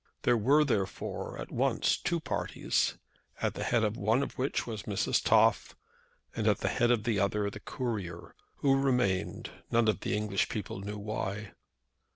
There were, therefore, at once two parties, at the head of one of which was Mrs. Toff, and at the head of the other the courier, who remained, none of the English people knew why.